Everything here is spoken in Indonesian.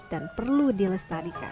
dan perlu dilestarikan